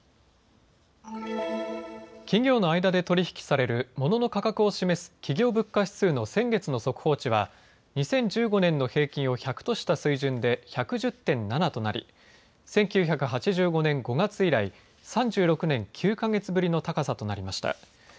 企業の間で取り引きされるモノの価格を示す企業物価指数の先月の速報値は２０１５年の平均を１００とした水準で１１０．７となり、１９８５年５月以来、３６年９か月ぶりの高さとなりました。